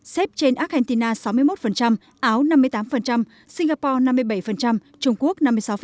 xếp trên argentina sáu mươi một áo năm mươi tám singapore năm mươi bảy trung quốc năm mươi sáu